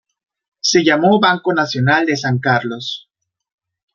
Se llamó Banco Nacional de San Carlos.